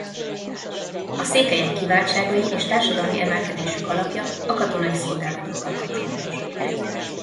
A székelyek kiváltságai és társadalmi emelkedésük alapja a katonai szolgálatukkal kapcsolatos.